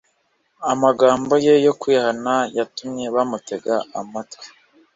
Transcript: amagambo ye yo kwihana yatumye bamutega amatwi